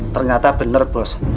ternyata bener bos